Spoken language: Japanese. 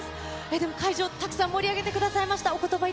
でも会場をたくさん盛り上げてくださいました。